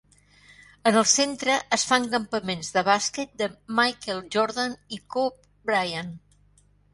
En el centre es fan campaments de bàsquet de Michael Jordan i Kobe Bryant.